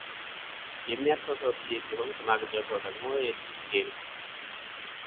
የሚያርሰው ሰው ልጄ ሲሆን ሽማግሌው ሰው ደግሞ የልጅ ልጄ ነው፡፡